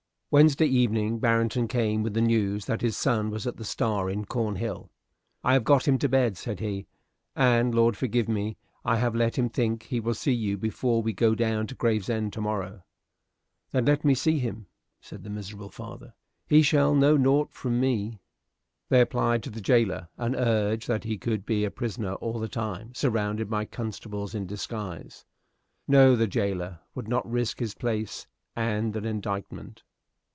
Wednesday evening Barrington came with the news that his son was at the "Star" in Cornhill. "I have got him to bed," said he, "and, Lord forgive me, I have let him think he will see you before we go down to Gravesend to morrow." "Then let me see him," said the miserable father. "He shall know nought from me." They applied to the jailer, and urged that he could be a prisoner all the time, surrounded by constables in disguise. No; the jailer would not risk his place and an indictment.